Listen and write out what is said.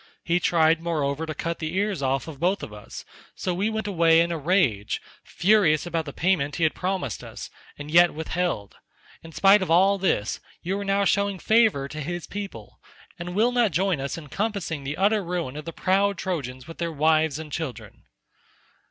He tried, moreover, to cut off the ears of both of us, so we went away in a rage, furious about the payment he had promised us, and yet withheld; in spite of all this, you are now showing favour to his people, and will not join us in compassing the utter ruin of the proud Trojans with their wives and children."